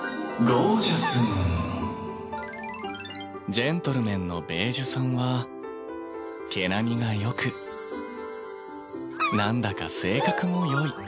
ジェントルメンのベージュさんは毛並みがよくなんだか性格もよい。